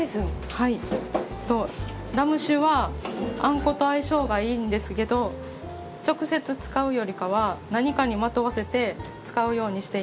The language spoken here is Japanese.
ラム酒はあんこと相性がいいんですけど直接使うよりかは何かにまとわせて使うようにしています。